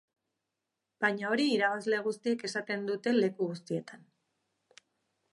Baina hori irabazle guztiek esaten dute leku guztietan.